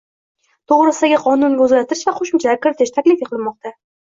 to'g'risidagi qonunga o'zgartirish va qo'shimchalar kiritish taklif qilinmoqda